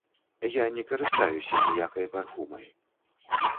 Я не карыстаюся ніякай парфумай.